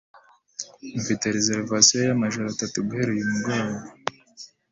Mfite reservation yamajoro atatu guhera uyu mugoroba